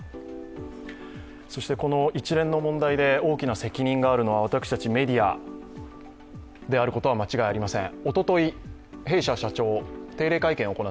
この一連の問題で大きな責任があるのは私たちメディアであることは間違いありません。